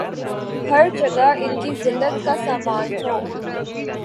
ہر جگہ ان کی زلت کا سامان ہو